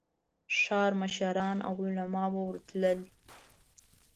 ښار مشران او علماء به ورتلل.